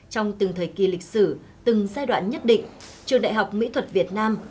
trong từng thời kỳ lịch sử từng giai đoạn nhất định trường đại học mỹ thuật việt nam